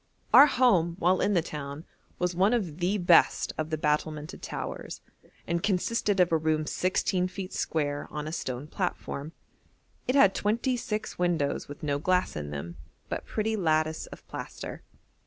Our home while in the town was one of the best of the battlemented towers, and consisted of a room sixteen feet square, on a stone platform. It had twenty six windows with no glass in them, but pretty lattice of plaster.